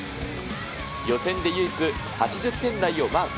予選で唯一８０点台をマーク。